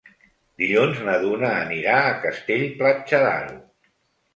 Dilluns na Duna anirà a Castell-Platja d'Aro.